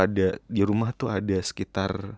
ada di rumah tuh ada sekitar